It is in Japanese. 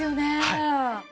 はい。